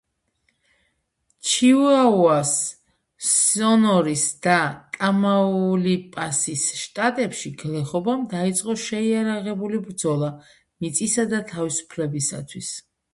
ჩიუაუას, სონორის და ტამაულიპასის შტატებში გლეხობამ დაიწყო შეიარაღებული ბრძოლა მიწისა და თავისუფლებისათვის.